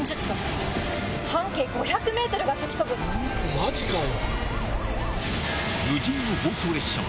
マジかよ